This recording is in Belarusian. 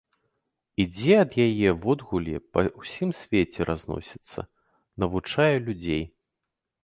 Ідзе ад яе водгулле, па ўсім свеце разносіцца, навучае людзей.